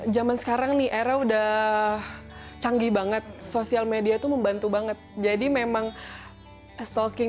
zaman sekarang nih era udah canggih banget sosial media tuh membantu banget jadi memang stalking